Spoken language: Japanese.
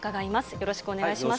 よろしくお願いします。